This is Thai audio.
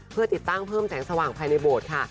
เพื่อติดตั้งเพิ่มแสงสว่างภายในโบสถ์ค่ะ